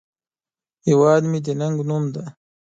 هیواد مې د ننگ نوم دی